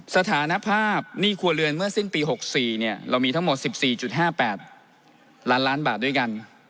สถานภาพหนี้ครัวเรือนเมื่อสิ้นปี๖๔เรามีทั้งหมด๑๔๕๘ล้านล้านบาทด้วยกัน